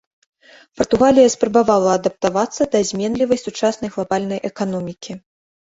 Партугалія спрабавала адаптавацца да зменлівай сучаснай глабальнай эканомікі.